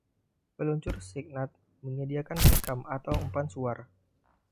Peluncur Seagnat menyediakan sekam atau umpan suar.